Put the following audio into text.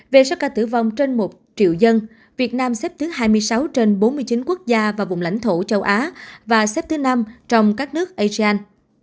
về số ca tử vong trên một triệu dân việt nam xếp thứ hai mươi sáu trên bốn mươi chín quốc gia và vùng lãnh thổ châu á và xếp thứ năm trong các nước asean